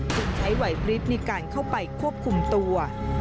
ใช้ไหวพลิบในการเข้าไปควบคุมตัว